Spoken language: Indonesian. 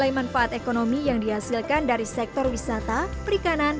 nilai manfaat ekonomi yang dihasilkan dari sektor wisata perikanan